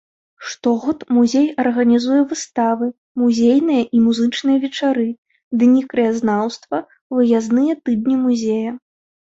Штогод музей арганізуе выставы, музейныя і музычныя вечара, дні краязнаўства, выязныя тыдня музея.